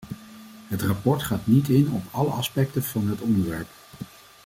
Het rapport gaat niet in op alle aspecten van het onderwerp.